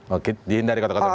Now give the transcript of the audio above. oke dihindari kota kosong